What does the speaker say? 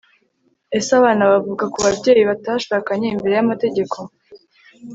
ese abana bavuka ku babyeyi batashakanye imbere y'amategako